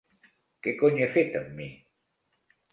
Què cony he fet amb mi?